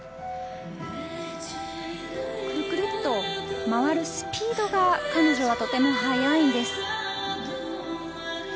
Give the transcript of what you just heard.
くるくると回るスピードが彼女はとても速いんです。